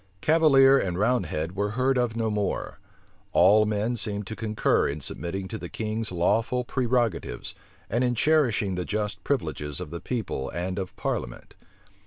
Cavalier and roundhead were heard of no more: all men seemed to concur in submitting to the king's lawful prerogatives, and in cherishing he just privileges of the people and of parliament.